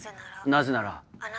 なぜなら。